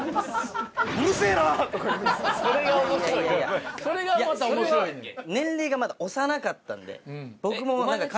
それが面白いんやそれがまた面白いねん。